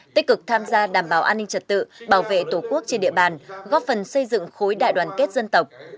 tích cực tham gia đảm bảo an ninh trật tự bảo vệ tổ quốc trên địa bàn góp phần xây dựng khối đại đoàn kết dân tộc